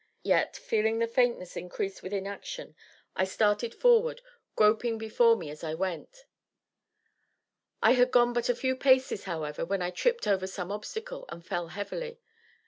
Yet, feeling the faintness increase with inaction, I started forward, groping before me as I went; I had gone but a few paces, however, when I tripped over some obstacle, and fell heavily.